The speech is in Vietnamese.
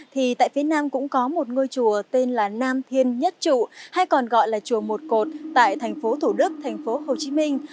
thì tại phía nam cũng có một ngôi chùa tên là nam thiên nhất trụ hay còn gọi là chùa một cột tại thành phố thủ đức thành phố hồ chí minh